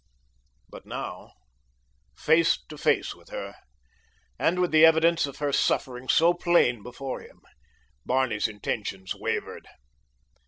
But now, face to face with her, and with the evidence of her suffering so plain before him, Barney's intentions wavered.